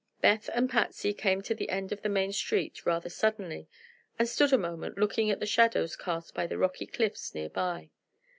Beth and Patsy came to the end of the main street rather suddenly, and stood a moment looking at the shadows cast by the rocky cliffs near by.